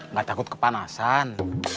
nggak takut kepanasan